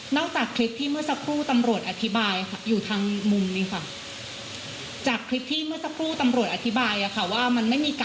จากคลิปที่เมื่อสักครู่ตำรวจอธิบายค่ะอยู่ทางมุมนี้ค่ะ